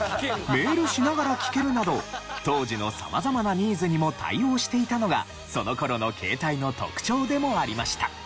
メールしながら聴けるなど当時の様々なニーズにも対応していたのがその頃の携帯の特徴でもありました。